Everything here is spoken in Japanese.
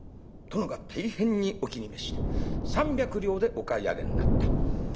殿が大変にお気に召して３百両でお買い上げになった。